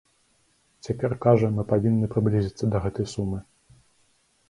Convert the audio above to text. Цяпер кажа, мы павінны прыблізіцца да гэтай сумы.